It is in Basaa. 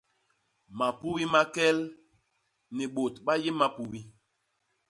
Mapubi ma kel; ni bôt ba yé mapubi.